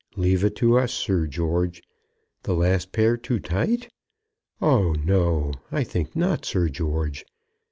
Leave it to us, Sir George. The last pair too tight? Oh, no; I think not, Sir George.